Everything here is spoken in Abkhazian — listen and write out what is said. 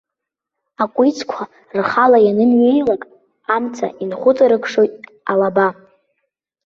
Акәицқәа рхала ианымҩеилак, амца инхәыҵарықшоит алаба.